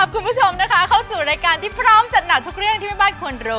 คุณหลานโหลดหรือยัง